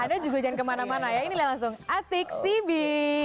anda juga jangan kemana mana ya ini dia langsung atik sibi